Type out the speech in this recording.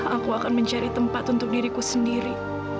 aku akan mencari tempat untuk diriku sendiri